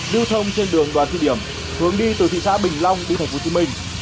lưu thông trên đường đoàn thị điểm hướng đi từ thị xã bình long đi thành phố hồ chí minh